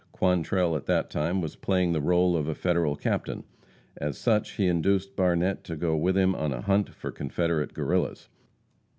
Quantrell at that time was playing the role of a Federal captain. As such, he induced Barnette to go with him on a hunt for Confederate Guerrillas.